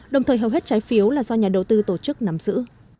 đồng thời hầu hết trái phiếu là do nhà đầu tư tổ chức nắm giữ